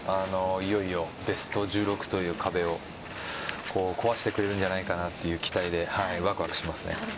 いよいよベスト１６という壁を壊してくれるんじゃないかなという期待でワクワクします。